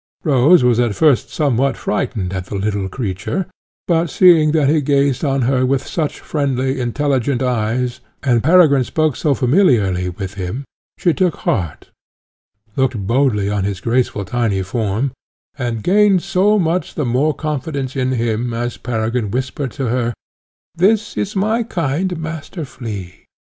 Rose was at first somewhat frightened at the little creature, but seeing that he gazed on her with such friendly, intelligent eyes, and Peregrine spoke so familiarly with him, she took heart, looked boldly on his graceful tiny form, and gained so much the more confidence in him as Peregrine whispered to her, "this is my kind Master Flea."